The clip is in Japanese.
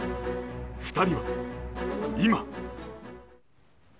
２人は今。